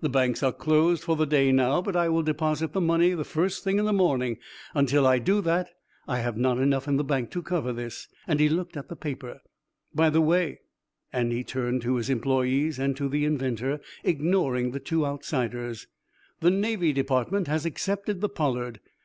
The banks are closed for the day now, but I will deposit the money the first thing in the morning. Until I do that, I have not enough in bank to cover this," and he looked at the paper. "By the way," and he turned to his employees and to the inventor, ignoring the two outsiders, "the Navy Department has accepted the 'Pollard.'